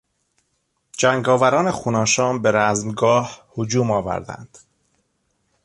جنگاوران خونآشام به رزمگاه هجوم آوردند.